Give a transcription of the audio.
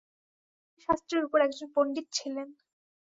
তিনি প্রমাণশাস্ত্রের ওপর একজন পণ্ডিত ছিলেন।